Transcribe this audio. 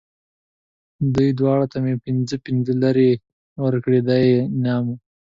دوی دواړو ته مې پنځه پنځه لېرې ورکړې، دا یې انعام و.